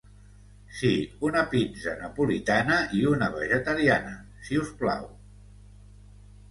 Si, una pizza napolitana i una vegetariana si us plau.